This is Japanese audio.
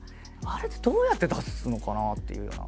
あれってどうやって出すのかなっていうような。